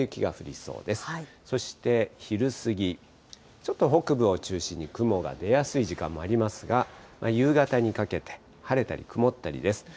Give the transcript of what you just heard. そして昼過ぎ、ちょっと北部を中心に、雲が出やすい時間もありますが、夕方にかけて、晴れたり曇ったりです。